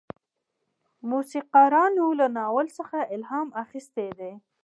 موسیقارانو له ناول څخه الهام اخیستی دی.